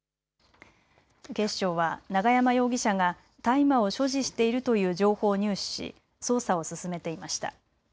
警視庁は永山容疑者が大麻を所持しているという情報を入手し、捜査を進めていました。